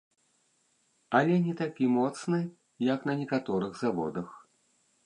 Але не такі моцны, як на некаторых заводах.